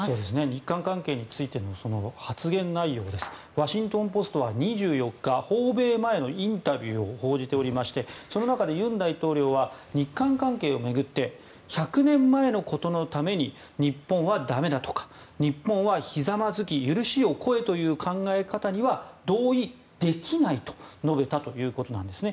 日韓関係についての発言内容ですがワシントン・ポストは２４日訪米前のインタビューを報じておりましてその中で尹大統領は日韓関係を巡って１００年前のことのために日本はだめだとか日本はひざまずき許しを請えという考え方には同意できないと述べたということなんですね。